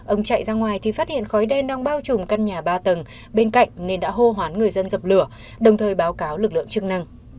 ông chạy ra ngoài thì phát hiện khói đen đang bao trùm căn nhà ba tầng bên cạnh nên đã hô hoán người dân dập lửa đồng thời báo cáo lực lượng chức năng